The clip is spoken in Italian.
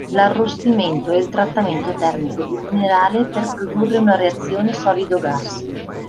L'arrostimento è il trattamento termico di un minerale per produrre una reazione solido-gas.